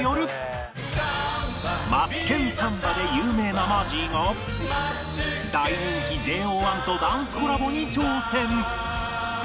『マツケンサンバ』で有名なマジーが大人気 ＪＯ１ とダンスコラボに挑戦